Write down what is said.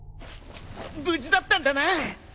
無事だったんだな！